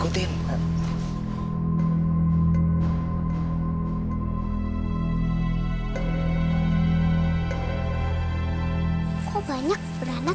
tempat itu aneh